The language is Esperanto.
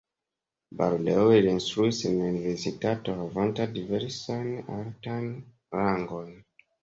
Baldaŭe li instruis en la universitato havanta diversajn altajn rangojn.